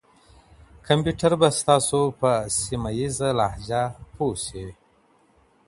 کمپیوټر به ستاسو په سیمه ییزه لهجه پوه شي.